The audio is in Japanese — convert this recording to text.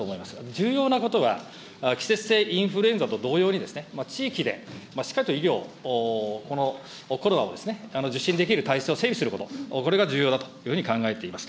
重要なことは、季節性インフルエンザと同様に、地域でしっかりと医療を、このコロナを受診できる体制を整備すること、これが重要だというふうに考えています。